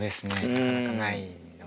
なかなかないので。